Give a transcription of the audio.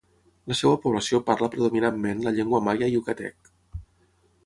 La seva població parla predominantment la llengua maia yucatec.